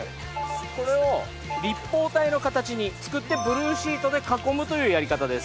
これを立方体の形に作ってブルーシートで囲むというやり方です。